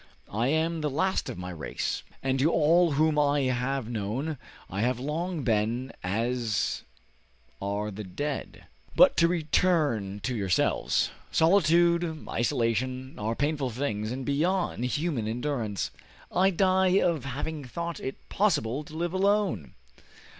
I am the last of my race, and to all whom I have known I have long been as are the dead. But to return to yourselves. Solitude, isolation, are painful things, and beyond human endurance. I die of having thought it possible to live alone!